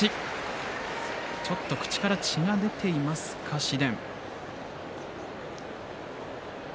ちょっと口から血が出ていますか紫雷。